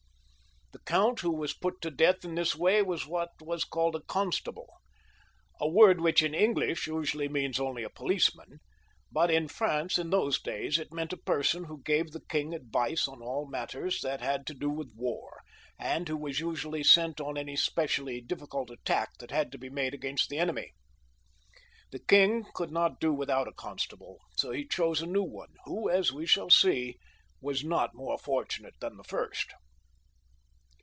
I said that the count who was put to death in this way was an ofl&cer of the king's. He was what was called a constable — a word which, in English, usually means only* a policeman — ^but in France, in those days, it meant a person who gave the king advice on aU matters that had to do with war, and who was usually sent on any specially dificult attack that had to be made against the enemy. The king could not do without a constable, so he chose a new one, who, as we shall see, was not more fortunate than the first.